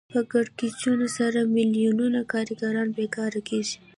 په کړکېچونو سره میلیونونو کارګران بېکاره کېږي